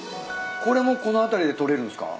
これもこの辺りで捕れるんすか？